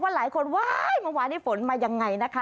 หลายคนว้ายเมื่อวานนี้ฝนมายังไงนะคะ